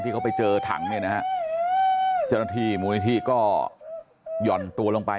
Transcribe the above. เขาไปเจอถังเนี่ยนะฮะเจ้าหน้าที่มูลนิธิก็หย่อนตัวลงไป